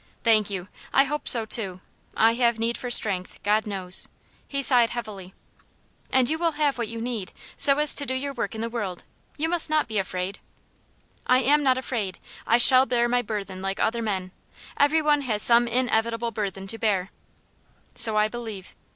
"Thank you! I hope so too. I have need for strength, God knows!" He sighed heavily. "And you will have what you need, so as to do your work in the world. You must not be afraid." "I am not afraid. I shall bear my burthen like other men. Every one has some inevitable burthen to bear." "So I believe."